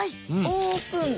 オープン！